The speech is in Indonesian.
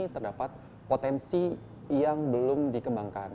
terdapat potensi yang belum dikembangkan